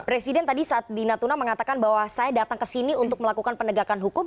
presiden tadi saat di natuna mengatakan bahwa saya datang ke sini untuk melakukan penegakan hukum